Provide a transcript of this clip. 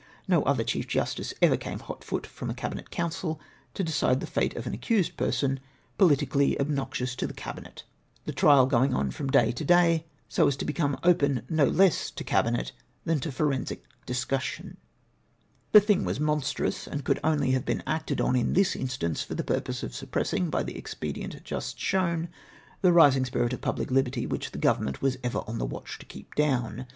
Xo other Chief Justice ever came hot foot from a Cabinet Council to decide the fate of an accused person, politically ob noxious to the Cabinet ; the trial going on from day to day, so as to become open no less to Cabinet than to forensic discussion. AT THE TIME OF MY TRIAL, 381 The thing Avas monstrous, and could onl}^ have been acted on in tliis instance for the purpose of suppressing, by the expedient just shown, the rising spuit of pubhc liberty, which the Government was ever on the watcli to keep down.